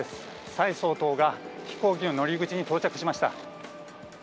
蔡総統が飛行機の乗り口に到着しました。